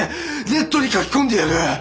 ネットに書き込んでやる！